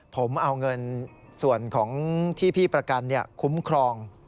ผมเอาเงินส่วนของที่พี่ประกันคุ้มครอง